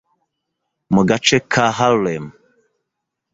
mu gace ka Harlem